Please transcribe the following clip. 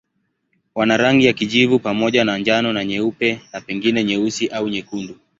Wana rangi ya kijivu pamoja na njano na nyeupe na pengine nyeusi au nyekundu.